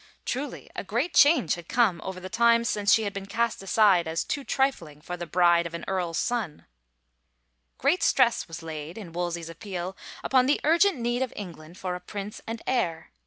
" Truly, a great change 149 THE FAVOR OF KINGS had come over the times since she had been cast aside as too trifling for the bride of an earl's son 1 Great stress was laid, in Wolsey's appeal, upon the urgent need of England for a prince and heir.